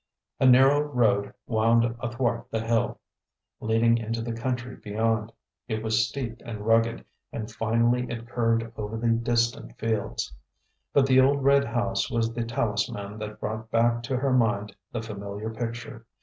A narrow road wound athwart the hill, leading into the country beyond. It was steep and rugged, and finally it curved over the distant fields. But the old red house was the talisman that brought back to her mind the familiar picture.